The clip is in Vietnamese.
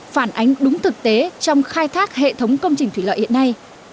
phản ánh đúng thực tế trong khai thác hệ thống công trình thủy lợi hiện nay